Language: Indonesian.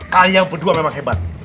kalian berdua memang hebat